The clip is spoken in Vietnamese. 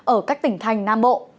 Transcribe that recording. ở các tỉnh thành nam bộ